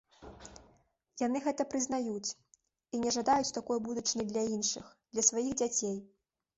Яны гэта прызнаюць і не жадаюць такой будучыні для іншых, для сваіх дзяцей.